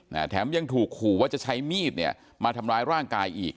แถมยังถูกขู่ว่าจะใช้มีดเนี่ยมาทำร้ายร่างกายอีก